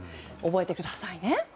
覚えてくださいね。